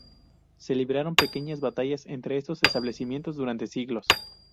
Se libraron pequeñas batallas entre estos establecimientos durante siglos.